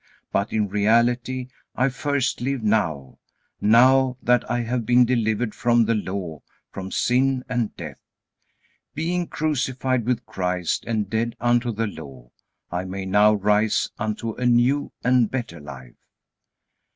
But in reality I first live now, now that I have been delivered from the Law, from sin, and death. Being crucified with Christ and dead unto the Law, I may now rise unto a new and better life."